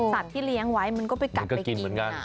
สัตว์ที่เลี้ยงไว้มันก็ไปกัดไปกิน